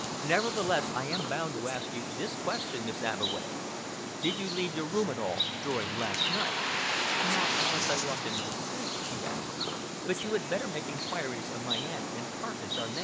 Nevertheless, I am bound to ask you this question, Miss Abbeway. Did you leave your room at all during last night?" "Not unless I walked in my sleep," she answered, "but you had better make enquiries of my aunt, and Parkins, our maid.